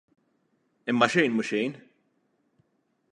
Imma xejn mhu xejn!